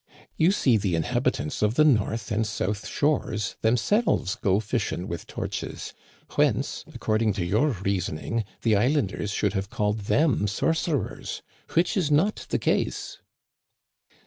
You see the inhabitants of the north and south shores themselves go fishing with torches, whence, according to your reasoning, the islanders should have called them sorcerers ; which is not the case."